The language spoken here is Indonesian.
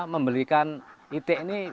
membelikan itik ini